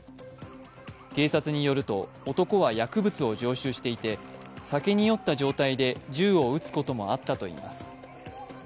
警察によると、男は薬物を常習していて酒に酔った状態で銃を撃つこともあったといいます。